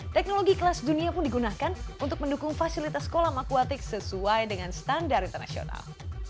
teknologi kelas dunia pun digunakan untuk mendukung fasilitas kolam akuatik sesuai dengan standar internasional